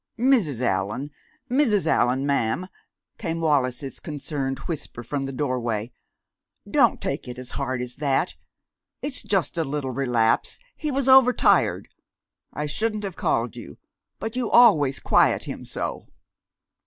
"Mrs. Allan! Mrs. Allan, ma'am!" came Wallis's concerned whisper from the doorway. "Don't take it as hard as that. It's just a little relapse. He was overtired. I shouldn't have called you, but you always quiet him so."